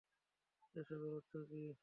এসবের অর্থ কী?